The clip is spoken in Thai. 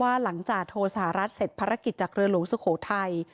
หลังจากโทสหรัฐเสร็จภารกิจจากเรือหลวงสุโขทัย